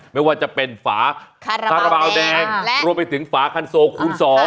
ไม่ว่าจะเป็นฝาคาราบาลแดงรวมไปถึงฝาคันโซคูณ๒